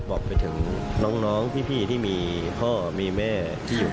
บอกไปถึงน้องพี่ที่มีพ่อมีแม่ที่อยู่